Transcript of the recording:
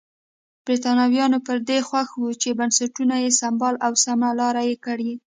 برېټانویان پر دې خوښ وو چې بنسټونه یې سمبال او سمه لار یې کړي.